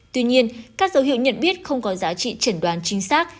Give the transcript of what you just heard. tuy nhiên các dấu hiệu nhận biết không có giá trị trần đoán chính xác